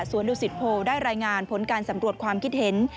ดุสิตโพได้รายงานผลการสำรวจความคิดเห็น